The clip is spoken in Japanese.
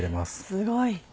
すごい。